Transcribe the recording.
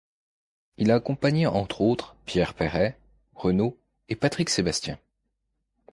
Il a accompagné entre autres Pierre Perret, Renaud et Patrick Sébastien.